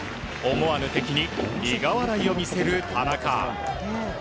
思わぬ敵に、苦笑いを見せる田中。